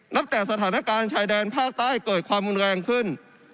แต่สถานการณ์ชายแดนภาคใต้เกิดความรุนแรงขึ้น